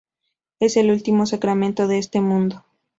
Es el último sacramento de este mundo.